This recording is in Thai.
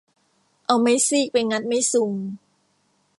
เอาไม้ซีกไปงัดไม้ซุง